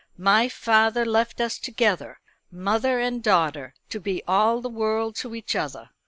My father left us together, mother and daughter, to be all the world to each other.